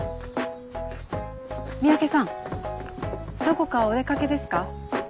三宅さんどこかお出掛けですか？